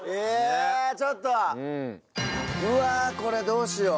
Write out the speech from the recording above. うわこれどうしよう？